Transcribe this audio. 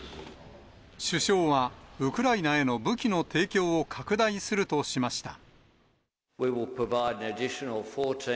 首相はウクライナへの武器の提供を拡大するとしました。